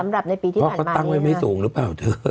สำหรับในปีที่ผ่านมานี้นะครับเขาตั้งไว้ไม่สูงหรือเปล่าเธอ